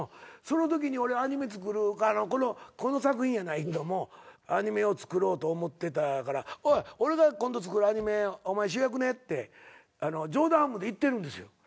そのときに俺アニメ作るからこの作品やないけどもアニメを作ろうと思ってたから「おい俺が今度作るアニメお前主役ね」って冗談半分で言ってるんですよ。